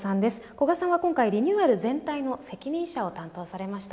古賀さんは今回リニューアル全体の責任者を担当されました。